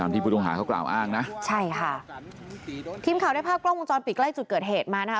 ทีมข่าวได้ภาพกล้องวงจอดปิดใกล้จุดเกิดเหตุมาฮะ